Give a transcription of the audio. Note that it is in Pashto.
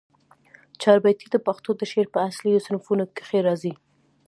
چاربیتې د پښتو د شعر په اصیلو صنفونوکښي راځي